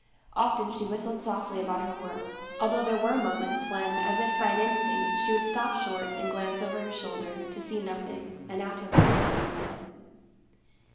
Often she whistled softly about her work, although there were moments when as if by an instinct she would stop short and glance over her shoulder, to see nothing, and after that to be still.